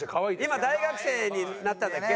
今大学生になったんだっけ？